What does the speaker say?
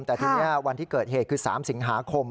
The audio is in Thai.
แต่ทีนี้วันที่เกิดเหตุคือ๓สิงหาคม